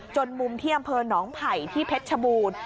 มุมที่อำเภอหนองไผ่ที่เพชรชบูรณ์